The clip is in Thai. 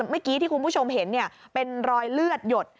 เมื่อกี้ที่คุณผู้ชมเห็นเป็นรอยเลือดหยด